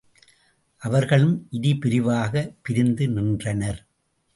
அவர்களும் இருபிரிவாகப் பிரிந்து நின்றனர்.